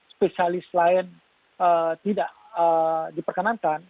spesialis lain tidak diperkenankan